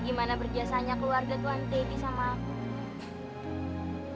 gimana berjasanya keluarga tuan t p sama aku